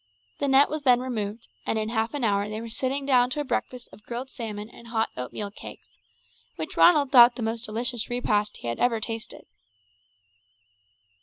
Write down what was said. The net was then removed, and in half an hour they were sitting down to a breakfast of grilled salmon and hot oatmeal cakes, which Ronald thought the most delicious repast he had ever tasted.